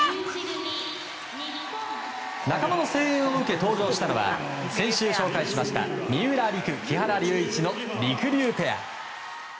仲間の声援を受け登場したのは先週紹介しました、三浦璃来木原龍一のりくりゅうペア。